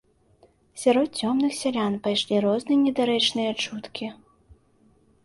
Сярод цёмных сялян пайшлі розныя недарэчныя чуткі.